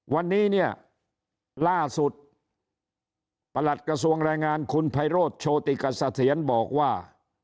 วันนี้เนี่ยล่าสุดประหลัดกระทรวงแรงงานคุณไพโรธโชติกษียรบอกว่า